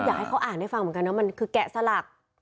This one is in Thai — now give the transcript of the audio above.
อยากให้เขาอ่านให้ฟังเหมือนกันนะมันคือแกะสลัก